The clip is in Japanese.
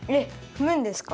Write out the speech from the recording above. ふむんですか？